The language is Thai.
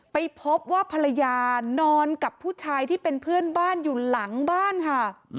ไปพบว่าภรรยานอนกับผู้ชายที่เป็นเพื่อนบ้านอยู่หลังบ้านค่ะ